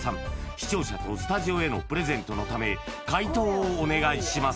視聴者とスタジオへのプレゼントのため解答をお願いします